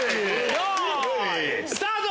よいスタート！